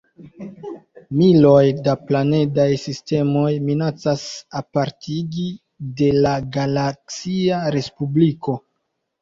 Miloj da planedaj sistemoj minacas apartigi de la galaksia respubliko.